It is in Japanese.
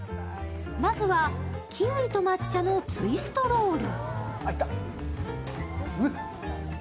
まずはキウイと抹茶のツイストロール。